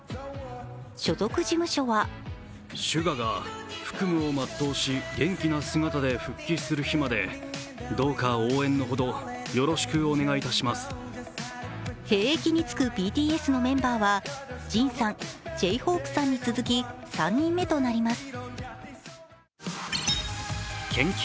所属事務所は兵役に就くＢＴＳのメンバーはＪＩＮさん、Ｊ−ＨＯＰＥさんに続き３人目となります。